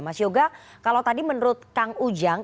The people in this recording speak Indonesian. mas yoga kalau tadi menurut kang ujang